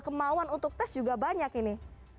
kemauan untuk tes juga banyak ini